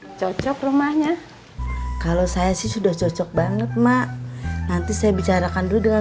hai cocok rumahnya kalau saya sih sudah cocok banget mak nanti saya bicarakan dulu dengan